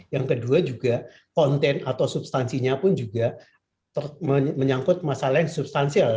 yang kedua juga konten atau substansinya pun juga menyangkut masalah yang substansial